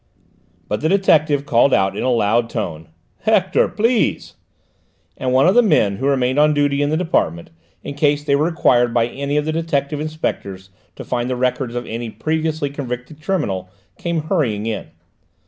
But the detective called out in a loud tone: "Hector, please!" and one of the men who remained on duty in the department, in case they were required by any of the detective inspectors to find the records of any previously convicted criminal, came hurrying in.